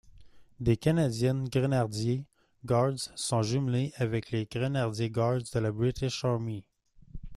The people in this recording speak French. The Canadian Grenardier Guards sont jumelés avec les Grenadier Guards de la British Army.